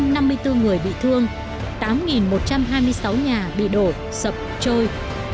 sáu trăm năm mươi bốn người bị thương tám một trăm hai mươi sáu nhà bị đổ sập trôi